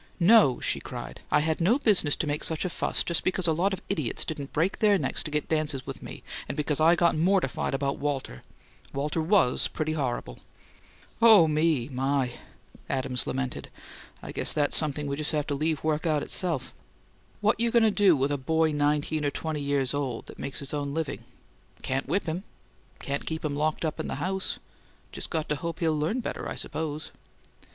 "No!" she cried. "I had no business to make such a fuss just because a lot of idiots didn't break their necks to get dances with me and because I got mortified about Walter Walter WAS pretty terrible " "Oh, me, my!" Adams lamented. "I guess that's something we just have to leave work out itself. What you going to do with a boy nineteen or twenty years old that makes his own living? Can't whip him. Can't keep him locked up in the house. Just got to hope he'll learn better, I suppose."